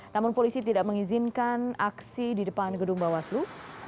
namun polisi tidak mengizinkan aksi di depan gedung bawaslu